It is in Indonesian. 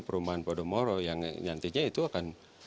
perumahan podomoro yang nantinya itu akan